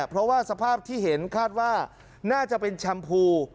เพราะว่าสภาพที่เห็นคาดว่าน่าจะเป็นแชมพู